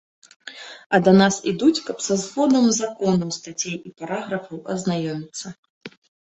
А да нас ідуць, каб са зводам законаў, стацей і параграфаў азнаёміцца.